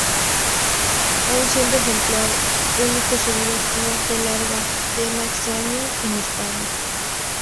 Aun siendo ejemplar único su vida activa fue larga, tema extraño en España.